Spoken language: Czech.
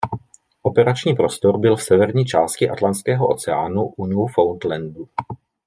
Operační prostor byl v severní části Atlantského oceánu u Newfoundlandu.